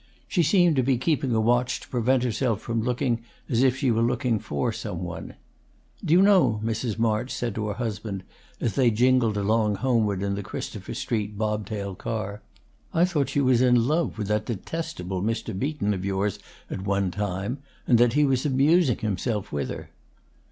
She seemed to be keeping a watch to prevent herself from looking as if she were looking for some one. "Do you know," Mrs. March said to her husband as they jingled along homeward in the Christopher Street bob tail car, "I thought she was in love with that detestable Mr. Beaton of yours at one time; and that he was amusing himself with her."